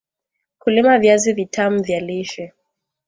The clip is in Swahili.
kulima viazi vitam vya lishe